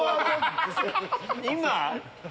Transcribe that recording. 今？